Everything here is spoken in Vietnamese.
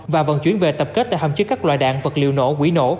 và vận chuyển về tập kết tại hầm trước các loại đạn vật liệu nổ quỷ nổ